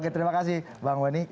oke terima kasih bang wenny